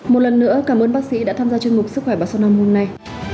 một lần nữa cảm ơn bác sĩ đã tham gia chương trình sức khỏe ba trăm sáu mươi năm hôm nay